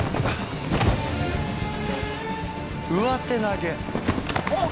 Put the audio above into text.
上手投げ。